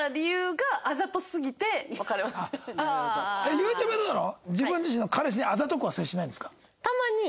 ゆうちゃみはどうなの？